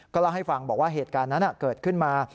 เล่าให้ฟังบอกว่าเหตุการณ์นั้นเกิดขึ้นมา